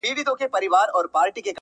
زه هم د بهار د مرغکیو ځالګۍ ومه،